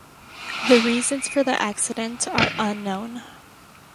The reasons for the accident are unknown.